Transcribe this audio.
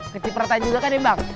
kecipertan juga kan nih bang